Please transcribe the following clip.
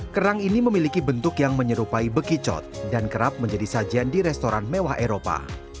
kerang ini memiliki bentuk yang menyerupai bekicot dan kerap menjadi sajian di restoran mewah eropa